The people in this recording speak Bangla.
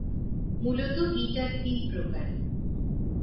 মূলত গীটার তিন প্রকার।